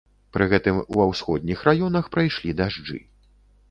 Пры гэтым ва ўсходніх раёнах прайшлі дажджы.